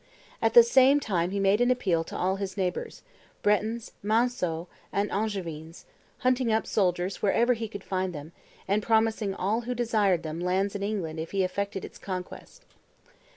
At the same time he made an appeal to all his neighbors, Bretons, Manceaux, and Angevines, hunting up soldiers wherever he could find them, and promising all who desired them lands in England if he effected its conquest.